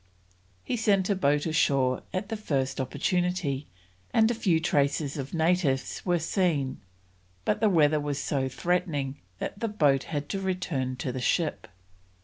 He sent a boat ashore at the first opportunity, and a few traces of natives were seen, but the weather was so threatening that the boat had to return to the ship.